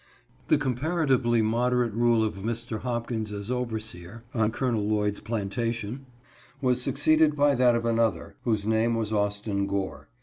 THE comparatively moderate rule of Mr. Hopkins as overseer on Col. Lloyd's plantation was succeeded by that of another, whose name was Austin Gore.